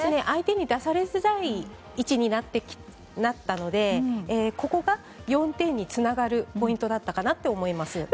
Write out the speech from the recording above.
相手に出されづらい位置になったのでここが４点につながるポイントだったかなと思います。